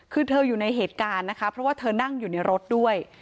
คือเธออยู่ในเหตุการณ์นะคะเพราะว่าเธอนั่งอยู่ในรถด้วย